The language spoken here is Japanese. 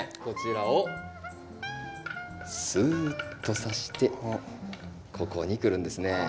こちらをスーッとさしてここに来るんですね。